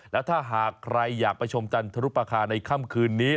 แล้วถ้าหากใครอยากไปชมจันทรุปคาในค่ำคืนนี้